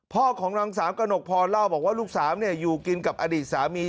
ของนางสาวกระหนกพรเล่าบอกว่าลูกสาวอยู่กินกับอดีตสามี